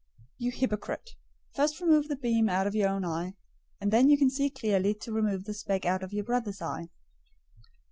007:005 You hypocrite! First remove the beam out of your own eye, and then you can see clearly to remove the speck out of your brother's eye.